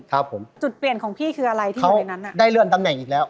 ครับผมจุดเปลี่ยนของพี่คืออะไรที่อยู่ในนั้นอ่ะได้เลื่อนตำแหน่งอีกแล้ว